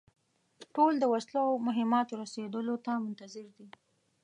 ټول د وسلو او مهماتو رسېدلو ته منتظر دي.